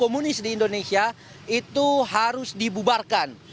komunis di indonesia itu harus dibubarkan